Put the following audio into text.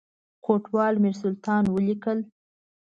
کوټوال میرسلطان ولیکل.